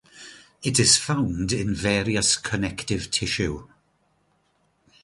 It is found in various connective tissue.